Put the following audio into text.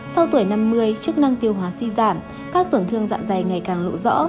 sau tuổi năm mươi chức năng tiêu hóa suy giảm các tổn thương dạ dày ngày càng lộ rõ